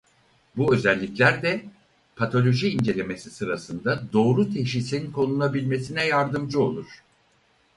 Bu özellikler de patoloji incelemesi sırasında doğru teşhisin konulabilmesine yardımcı olur.